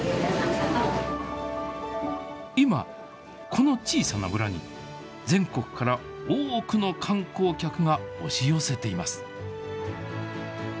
今、この小さな村に全国から多くの観光客が押し寄せています。